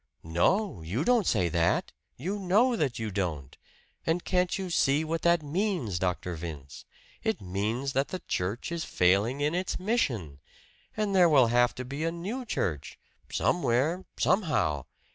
No you don't say that you know that you don't! And can't you see what that means, Dr. Vince it means that the church is failing in its mission! And there will have to be a new church somewhere, somehow!